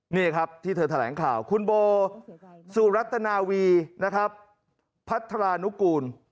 นี่ครับที่เธอแถลงข่าวคุณโบสุรัตนาวีนะครับพัฒนานุกูล